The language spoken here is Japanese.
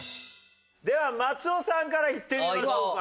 では松尾さんからいってみましょうか。